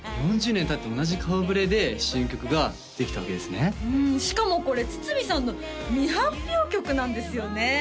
４０年たって同じ顔ぶれで新曲ができたわけですねうんしかもこれ筒美さんの未発表曲なんですよね